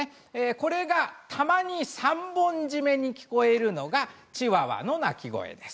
これがたまに三本締めに聞こえるのがチワワの鳴き声です。